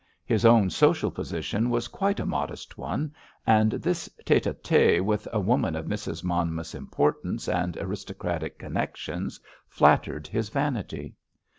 His own social position was quite a modest one, and this tête à tête with a woman of Mrs. Monmouth's importance and aristocratic connections flattered his vanity.